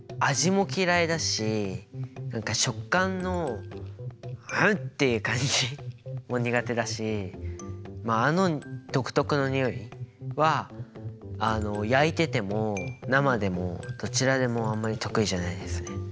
味もきらいだし何か食感の「はうっ」ていう感じも苦手だしあの独特のにおいは焼いてても生でもどちらでもあんまり得意じゃないですね。